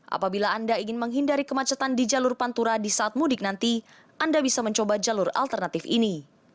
apabila anda ingin menghindari kemacetan di jalur pantura di saat mudik nanti anda bisa mencoba jalur alternatif ini